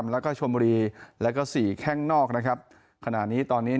รอบคัดเลือกไซเตอร์โนเงิน๑๘๐